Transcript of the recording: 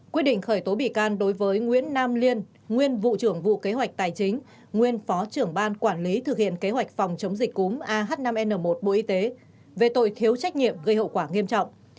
quyết định khởi tố bị can đối với nguyễn nam liên nguyên vụ trưởng vụ kế hoạch tài chính nguyên phó trưởng ban quản lý thực hiện kế hoạch phòng chống dịch cúm ah năm n một bộ y tế về tội thiếu trách nhiệm gây hậu quả nghiêm trọng